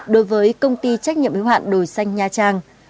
đối với công ty trách nhiệm hữu hạn đồi xanh nhà trang